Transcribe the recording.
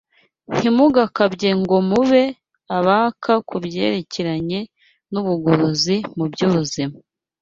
Ntimugakabye ngo mube abaka ku byerekeranye n’ubugorozi mu by’ubuzima